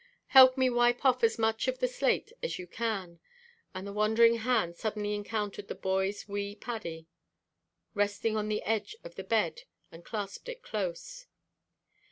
"Help me wipe off as much of the slate as you can," and the wandering hand suddenly encountered the boy's wee paddie resting on the edge of the bed and clasped it close.